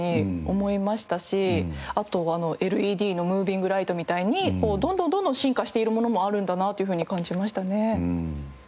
あとＬＥＤのムービングライトみたいにどんどんどんどん進化しているものもあるんだなというふうに感じましたね。